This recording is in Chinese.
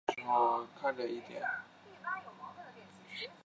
这些能级的大小取决于原子类型和原子所处的化学环境。